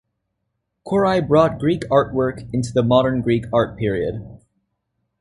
Korai brought Greek artwork into the Modern Greek art period.